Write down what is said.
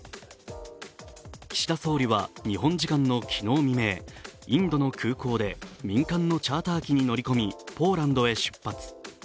岸田総理は日本時間の昨日未明、インドの空港で民間のチャーター機に乗り込みポーランドへ出発。